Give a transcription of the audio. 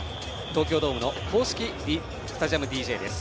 東京ドームの公式スタジアムＤＪです。